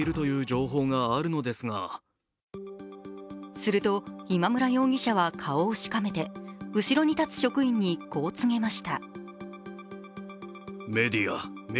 すると今村容疑者は顔をしかめて後ろに立つ職員にこう告げました。